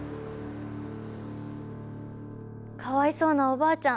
かわいそうなおばあちゃん。